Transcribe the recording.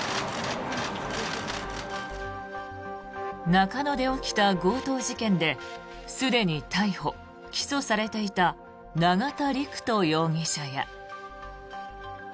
中野で起きた強盗事件ですでに逮捕・起訴されていた永田陸人容疑者や。